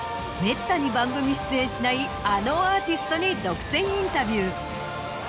めったに番組出演しないあのアーティストに独占インタビュー。